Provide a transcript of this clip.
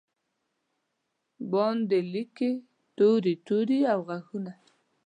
باندې لیکې توري، توري او ږغونه